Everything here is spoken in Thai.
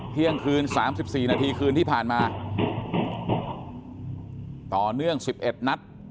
เที่ยงคืนสามสิบสี่นาทีคืนที่ผ่านมาต่อเนื่อง๑๑นัด